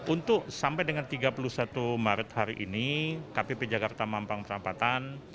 untuk sampai dengan tiga puluh satu maret hari ini kpp jakarta mampang perampatan